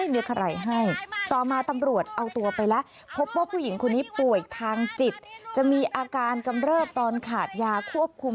ปกติแล้วผู้หญิงคนนี้รักลูกค่ะ